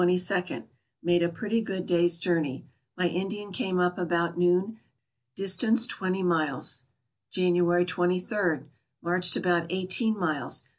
— Made a pretty good day's journey. My Indian came up about noon. Distance twenty miles. January 23. — Marched about eighteen miles.